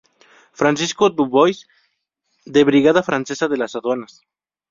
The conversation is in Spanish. Francisco Dubois, de brigada francesa de las aduanas.